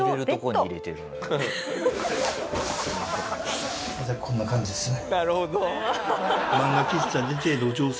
それでこんな感じですね。